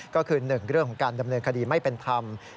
ก็คือ๑เรื่องของการดำเนินคดีไม่เป็นธรรม